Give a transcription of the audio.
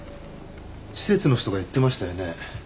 施設の人が言ってましたよね。